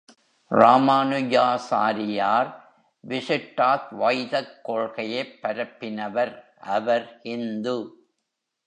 ராமாநுஜாசாரியார் விசிஷ்டாத்வைதக் கொள்கையைப் பரப்பினவர் அவர் ஹிந்து.